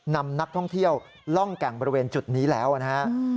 นำนักท่องเที่ยวล่องแก่งบริเวณจุดนี้แล้วนะฮะ